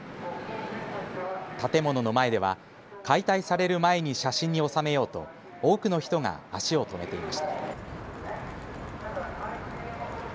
建物の前では解体される前に写真に収めようと多くの人が足を止めていました。